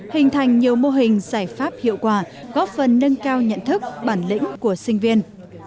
hình thành nhiều mô hình giải pháp hiệu quả góp phần nâng cao nhận thức bản lĩnh của sinh viên